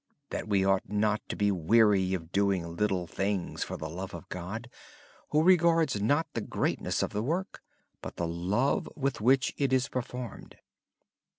We ought not weary of doing little things for the love of God, who regards not the greatness of the work, but the love with which it is performed.